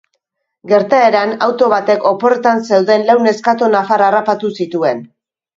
Gertaeran, auto batek oporretan zeuden lau neskato nafar harrapatu zituen.